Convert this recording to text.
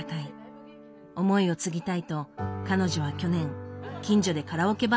思いを継ぎたいと彼女は去年近所でカラオケバーを始めたという。